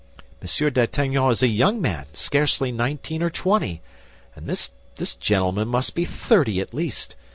Monsieur d'Artagnan is a young man, scarcely nineteen or twenty, and this gentleman must be thirty at least.